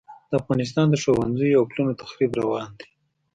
د افغانستان د ښوونځیو او پلونو تخریب روان دی.